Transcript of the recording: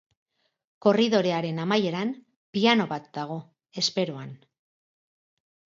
Korridorearen amaieran, piano bat dago, esperoan.